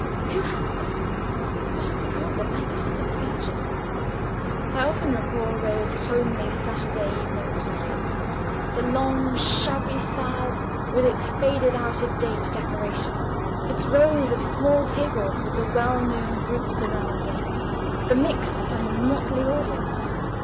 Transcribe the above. Who has them? What has become of the light hearted sketchers? I often recall those homely Saturday evening concerts; the long, shabby saal with its faded out of date decorations; its rows of small tables with the well known groups around them; the mixed and motley audience.